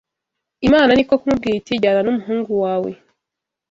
Imana ni ko kumubwira iti jyana n’umuhungu wawe